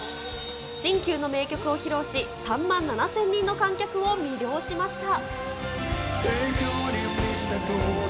新旧の名曲を披露し、３万７０００人の観客を魅了しました。